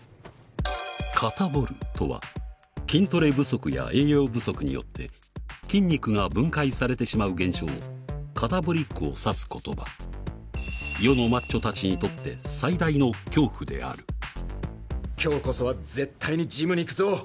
「カタボる」とは筋トレ不足や栄養不足によって筋肉が分解されてしまう現象「カタボリック」を指す言葉世のマッチョ達にとって今日こそは絶対にジムに行くぞ！